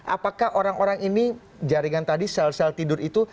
apakah orang orang ini jaringan tadi sel sel tidur itu